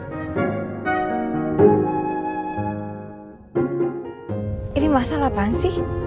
ini masalah apaan sih